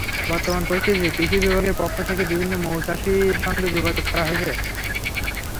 বর্তমান পরিস্থিতিতে কৃষি বিভাগের পক্ষ থেকে বিভিন্ন মৌচাষির সঙ্গে যোগাযোগ করা হয়েছে।